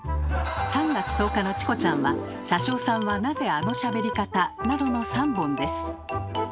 ３月１０日の「チコちゃん」は「車掌さんはなぜあのしゃべり方？」などの３本です。